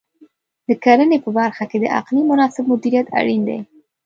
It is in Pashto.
د کرنې په برخه کې د اقلیم مناسب مدیریت اړین دی.